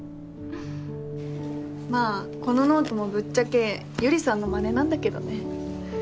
まあこのノートもぶっちゃけ百合さんのマネなんだけどね